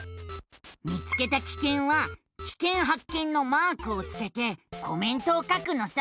見つけたキケンはキケンはっけんのマークをつけてコメントを書くのさ。